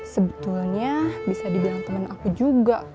sebetulnya bisa dibilang teman aku juga